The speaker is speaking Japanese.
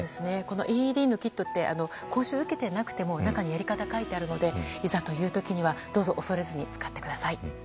ＡＥＤのキットって講習を受けていなくても中にやり方が書いてあるのでいざという時にはどうぞ、恐れずに使ってください。